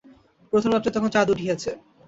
প্রথম রাত্রে তখন চাঁদ উঠিয়াছে।